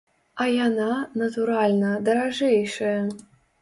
А яна, натуральна, даражэйшая!